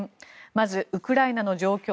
まず、ウクライナの状況